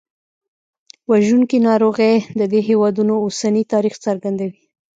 وژونکي ناروغۍ د دې هېوادونو اوسني تاریخ څرګندوي.